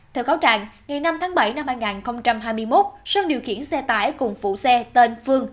theo cáo trạng ngày năm tháng bảy năm hai nghìn hai mươi một sơn điều khiển xe tải cùng phụ xe tên phương